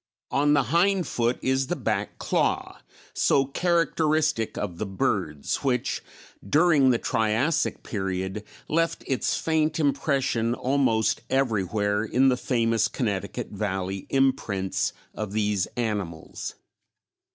On the hind foot is the back claw, so characteristic of the birds, which during the Triassic period left its faint impression almost everywhere in the famous Connecticut valley imprints of these animals.